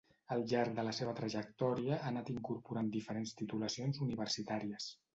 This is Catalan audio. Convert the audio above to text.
Al llarg de la seva trajectòria, ha anat incorporant diferents titulacions universitàries.